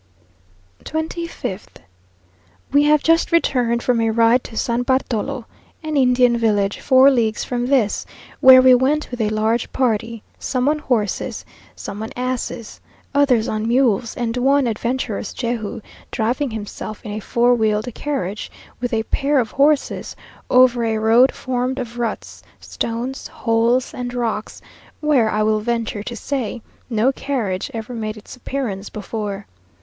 25th. We have just returned from a ride to San Bartolo, an Indian village, four leagues from this, where we went with a large party, some on horses, some on asses, others on mules, and one adventurous Jehu driving himself in a four wheeled carriage, with a pair of horses, over a road formed of ruts, stones, holes, and rocks, where, I will venture to say, no carriage ever made its appearance before.